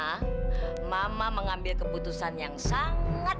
ma mama mengambil keputusan yang sangat tepat